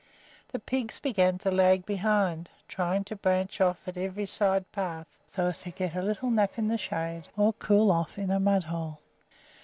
The pigs began to lag behind, trying to branch off at every side path so as to get a little nap in the shade or cool themselves in a mudhole.